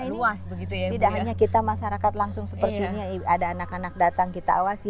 ini tidak hanya kita masyarakat langsung seperti ini ada anak anak datang kita awasi